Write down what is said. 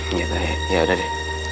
nggak kayaknya yaudah deh